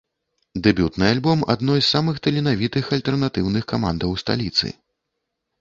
Дэбютны альбом адной з самых таленавітых альтэрнатыўных камандаў сталіцы.